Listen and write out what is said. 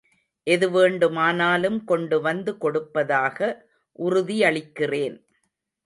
எது வேண்டுமானாலும் கொண்டு வந்து கொடுப்பதாக உறுதியளிக்கிறேன்.